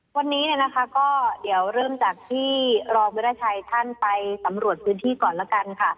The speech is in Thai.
วันนี้เนี่ยนะคะก็เดี๋ยวเริ่มจากที่รองวิราชัยท่านไปสำรวจพื้นที่ก่อนละกันค่ะ